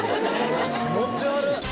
気持ち悪。